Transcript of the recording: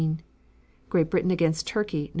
Great Britain against Turkey, Nov.